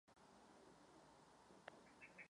Guillaume pochází z bohaté rodiny.